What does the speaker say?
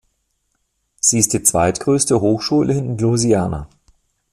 Sie ist die zweitgrößte Hochschule in Louisiana.